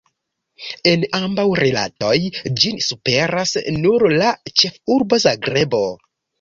En ambaŭ rilatoj ĝin superas nur la ĉefurbo Zagrebo.